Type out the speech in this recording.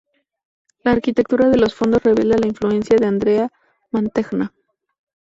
La arquitectura de los fondos revela la influencia de Andrea Mantegna.